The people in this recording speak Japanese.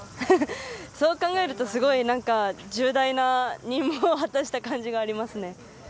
そう考えると、すごい重大な任務を果たしたような感じがありますね。